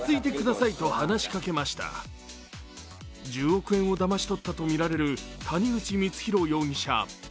１０億円をだまし取ったとみられる谷口光弘容疑者。